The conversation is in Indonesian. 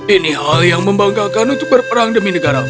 ini hal yang membanggakan untuk berperang demi negara